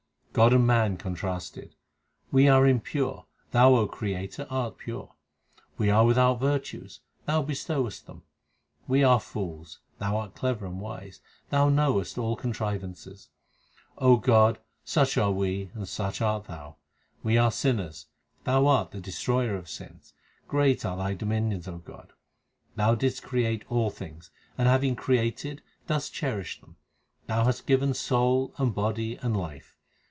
God and man contrasted : We are impure; Thou, O Creator, art pure ; we are without virtues ; Thou bestowest them. We are fools ; Thou art clever and wise ; Thou knowest all contrivances. O God, such are we, and such art Thou. HYMNS OF GURU ARJAN 355 We are sinners, Thou art the Destroyer of sins ; great are Thy dominions, O God. Thou didst create all things, and having created dost cherish them : Thou hast given soul, and body, and life.